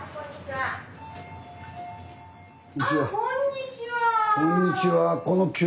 あこんにちは。